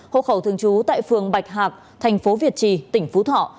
hộ khẩu thường trú tại phường bạch hạp tp việt trì tỉnh phú thọ